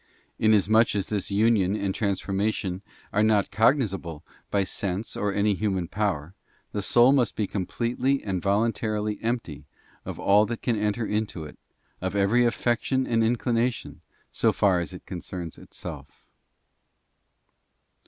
Inasmuch as this union and transformation are not cognisable by sense or any human power, the soul must be completely and voluntarily empty of all that can enter into it, of every affection and inclination, so far as it concerns itself.